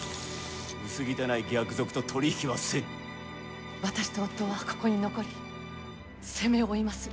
薄汚い逆賊と私と夫はここに残り責めを負いまする。